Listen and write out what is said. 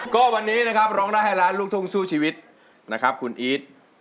ก็วันนี้นะครับร้องได้ให้ล้านลูกทุ่งสู้ชีวิตนะครับคุณอีท